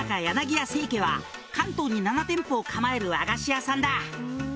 「は関東に７店舗を構える和菓子屋さんだ」